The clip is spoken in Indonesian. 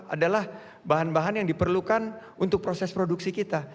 adalah bahan bahan yang diperlukan untuk proses produksi kita